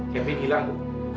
kevin hilang bu